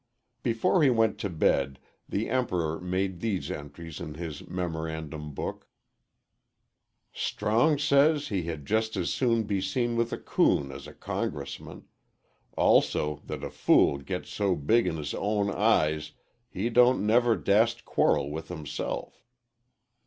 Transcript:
Before he went to bed the Emperor made these entries in his memorandum book: _"Strong says he had just as soon be seen with a coon as a congressman also that a fool gits so big in his own eyes he dont never dast quarrell with himself.